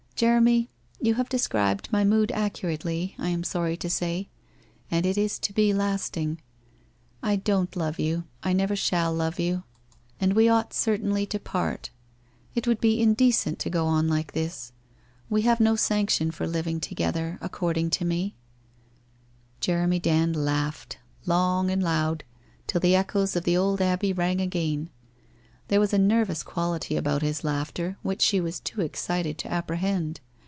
Jeremy, you have described my mood accurately, I am sorry to say, and it is to be lasting. I don't love you, I never shall love you, and we 300 WHITE ROSE OF WEARY LEAF ought certainly to part. It would be indecent to go on like this. We have no sanction for living together, ac cording to me/ Jeremy Dand laughed, long and loud, till the echoes of the old abbey rang again. There was a nervous quality about his laughter which she was too excited to apprehend.